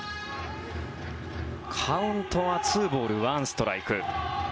カウントは２ボール１ストライク。